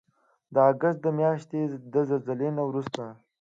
د اګست د میاشتې د زلزلې نه وروسته